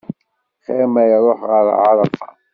Xir ma iruḥ ɣer ɛarafa.